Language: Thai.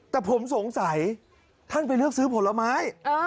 แต่ผมสงสัยท่านไปเลือกซื้อผลไม้